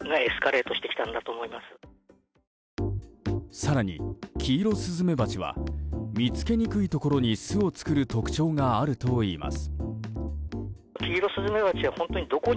更に、キイロスズメバチは見つけにくいところに巣を作る特徴があるといいます。